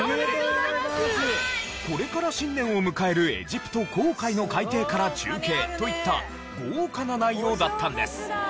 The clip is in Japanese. これから新年を迎えるエジプト紅海の海底から中継といった豪華な内容だったんです。